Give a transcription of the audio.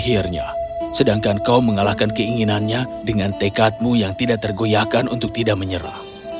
akhirnya sedangkan kau mengalahkan keinginannya dengan tekadmu yang tidak tergoyakan untuk tidak menyerah